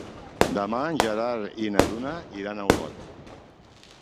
Demà en Gerard i na Duna iran a Olot.